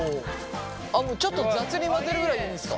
ちょっと雑に混ぜるぐらいでいいんですか？